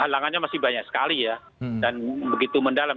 halangannya masih banyak sekali ya dan begitu mendalam